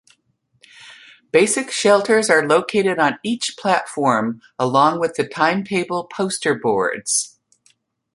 Basic shelters are located on each platform, along with the timetable poster boards.